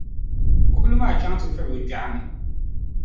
kuɣili maa chaŋ ti furi o gbɛɣu ni.